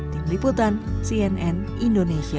tim liputan cnn indonesia